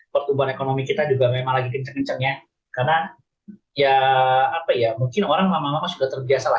pertumbuhan ekonomi kita juga memang lagi kencang kencangnya karena ya apa ya mungkin orang lama lama sudah terbiasa lah